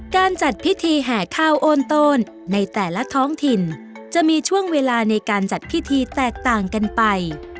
การจัดพิธีแห่ข้าวโอนโตนในแต่ละท้องถิ่นจะมีช่วงเวลาในการจัดพิธีแตกต่างกันไป